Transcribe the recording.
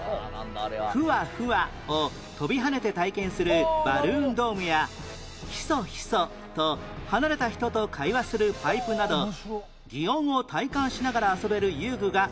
ふわふわを飛び跳ねて体験するバルーンドームやひそひそと離れた人と会話するパイプなど擬音を体感しながら遊べる遊具が満載